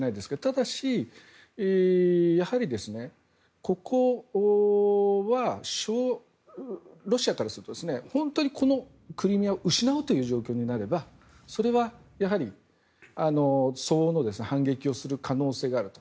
ただしここはロシアからすると本当にこのクリミアを失うという状況になればそれは、やはり相応の反撃をする可能性があると。